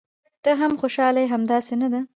ته هم خوشاله یې، همداسې نه ده؟